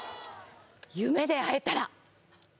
「夢で逢えたら」